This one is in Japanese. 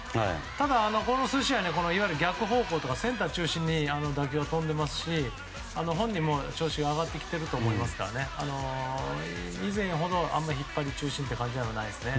ただ、この数試合いわゆる逆方向とかセンター中心に打球が飛んでいますし本人も調子が上がってきていると思いますから以前ほど引っ張り中心という感じではないですね。